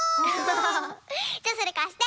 じゃそれかして。